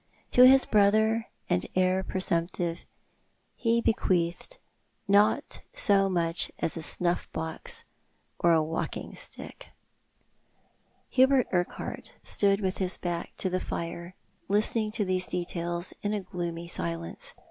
To his brother and heir presumptive he bequeathed not so much as a snuff box or a walking stick. Hubert Urquhart stood with his back to the fire, listening to these details in a gloomy silence.